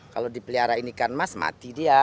kalau dipelihara ini kan mas mati dia